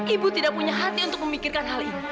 ibu tidak punya hati untuk memikirkan hal ini